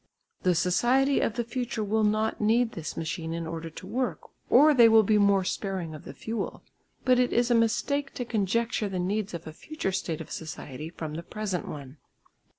The society of the future will not need this machine in order to work or they will be more sparing of the fuel. But it is a mistake to conjecture the needs of a future state of society from the present one.